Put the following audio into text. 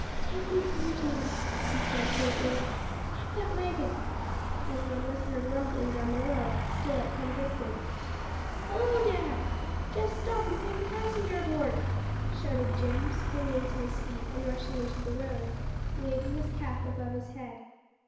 "Take me home, Jim," he said faintly. "Stop that wagon," as one was heard rumbling down the road, still at some distance. "Hollo dar! jes stop an' take a passenger aboard!" shouted Jim, springing to his feet and rushing into the road, waving his cap above his head.